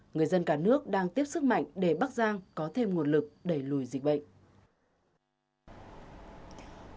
người dân cả nước đang tiếp sức mạnh để bắc giang có thêm nguồn lực đẩy lùi dịch bệnh